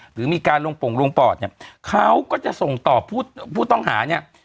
หรือมีการลงปงลงปอดเนี่ยเขาก็จะส่งต่อผู้ต้องหาเนี่ย